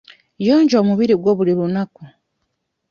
Yonja omubiri gwo buli lunaku.